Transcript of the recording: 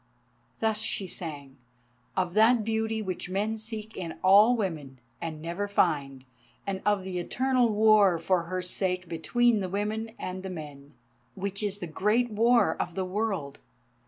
Thus she sang—of that Beauty which men seek in all women, and never find, and of the eternal war for her sake between the women and the men, which is the great war of the world.